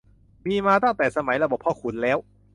มีมาตั้งแต่สมัยระบบพ่อขุนแล้ว